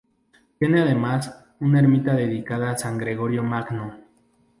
Tiene además una ermita dedicada a San Gregorio Magno.